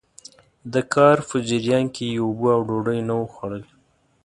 د کار په جريان کې يې اوبه او ډوډۍ نه وو خوړلي.